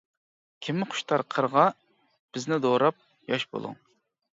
كىممۇ خۇشتار قىرىغا، بىزنى دوراپ ياش بۇلۇڭ.